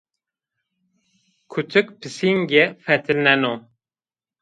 Kutik pisînge fetilneno